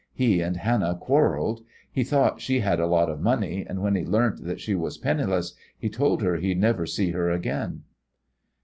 "He and Hannah quarrelled. He thought she had a lot of money, and when he learnt that she was penniless he told her he'd never see her again."